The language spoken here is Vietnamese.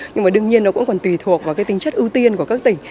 nhưng mà đương nhiên nó cũng còn tùy thuộc vào cái tính chất ưu tiên của các tỉnh